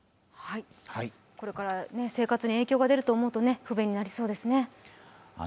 これから生活に影響が出ると思うと不便になりそうですね。